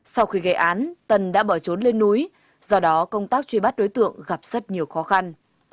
sau khi gây án tân đã bỏ trốn lên núi do đó công tác truy bắt đối tượng gặp rất nhiều khó khăn